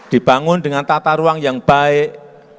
dibangun dengan tata ruang yang baik